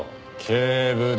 警部殿！